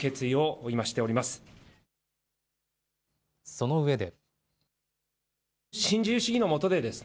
そのうえで。